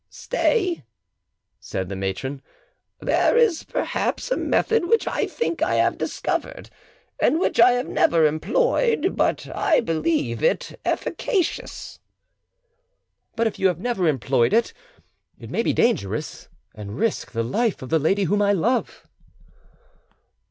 "Stay," said the matron: "there is perhaps a method which I think I have discovered, and which I have never employed, but I believe it efficacious." "But if you have never employed it, it may be dangerous, and risk the life of the lady whom I love."